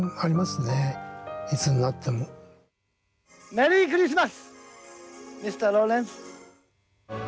メリークリスマスミスターローレンス。